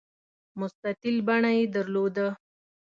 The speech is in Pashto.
مستطیل بڼه یې درلوده.